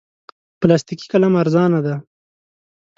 پلاستیکي قلم ارزانه دی.